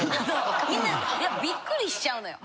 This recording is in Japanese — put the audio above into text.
みんなびっくりしちゃうのよ。